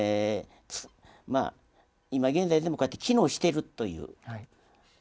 今現在でもこうやって機能してるという。